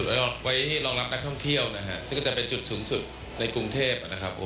ที่เรามีจุดชมวิวชั้นบนสุดไว้รองรับนักท่องเที่ยวซึ่งก็จะเป็นจุดสูงสุดในกรุงเทพ